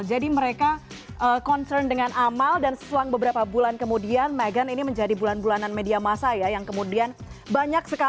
jadi mereka concern dengan amal dan selang beberapa bulan kemudian megan ini menjadi bulan bulanan media masa ya yang kemudian banyak sekaligus